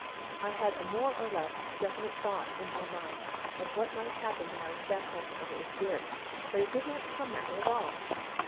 I had a more or less definite thought in my mind of what might happen when I was baptized with the Holy Spirit, but it did not come that way at all.